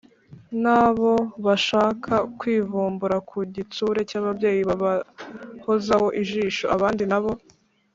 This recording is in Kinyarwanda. na bo bashaka kwivumbura ku gitsure cy’ababyeyi babahozaho ijisho, abandi na bo